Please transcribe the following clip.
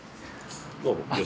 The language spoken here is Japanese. どうも。